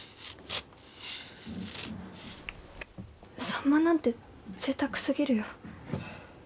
サンマなんてぜいたくすぎるよ。